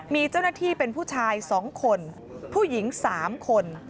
มีเจ้าหน้าที่เป็นผู้ชาย๒คนผู้หญิง๓คน